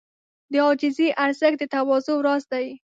د عاجزۍ ارزښت د تواضع راز دی.